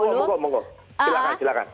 mengurus mengurus silakan silakan